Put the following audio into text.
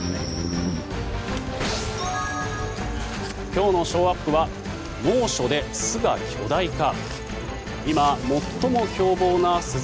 今日のショーアップは猛暑で巣が巨大化。